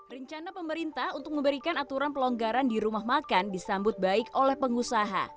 rencana pemerintah untuk memberikan aturan pelonggaran di rumah makan disambut baik oleh pengusaha